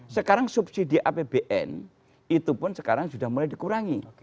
sekarang subsidi apbn itu pun sekarang sudah mulai dikurangi